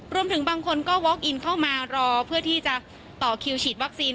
รวมถึงบางคนก็เข้ามารอเพื่อที่จะต่อคิวฉีดวัคซีน